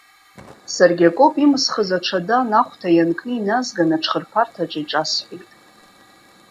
Саргьы Акоп имысхыз аҽада анахәҭа ианкны иназган, аҽхырԥарҭаҿы иҿасҳәеит.